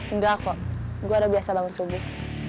engga kok gue udah biasa bangun subuh